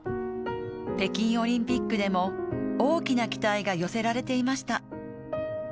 北京オリンピックでも大きな期待が寄せられていました。